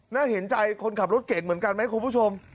น่าเห็นใจคนขับรถเก่งเหมือนกันไหมคุณผู้ชม